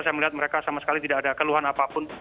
saya melihat mereka sama sekali tidak ada keluhan apapun